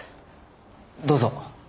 どうぞ。